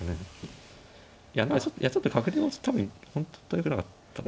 いやちょっと角出も多分本当はよくなかったです？